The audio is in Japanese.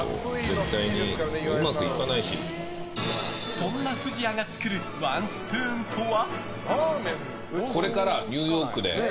そんな藤谷が作るワンスプーンとは？